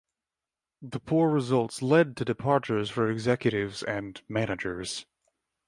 The poor results led to departures for executives and managers.